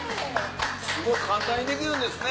すごい簡単にできるんですね。